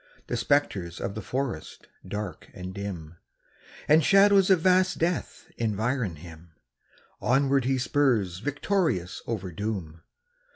The spectres of the forest, dark and dim, And shadows of vast death environ him Onward he spurs victorious over doom.